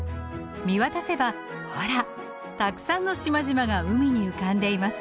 見渡せばほらたくさんの島々が海に浮かんでいます。